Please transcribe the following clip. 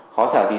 khó thở thì thở